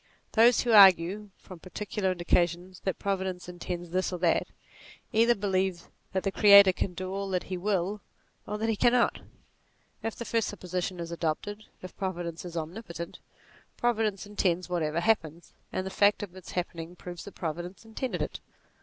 Those who argue, from particular indications, that Providence intends this or that, either believe that the Creator can do all that he will or that he cannot. If the first supposition is adopted if Providence is omnipotent, Providence intends whatever happens, and the fact of its happening proves that Providence intended it.